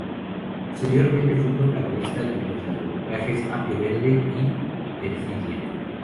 Posteriormente fue protagonista de los largometrajes "Apio verde" y "Perfidia".